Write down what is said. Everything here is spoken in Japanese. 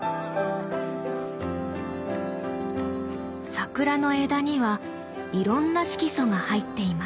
桜の枝にはいろんな色素が入っています。